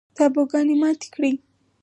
تابوگانې ماتې کړي